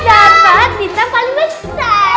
dapat kita paling besar